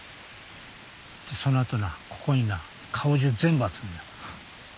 その後なここにな顔中全部集めんだ。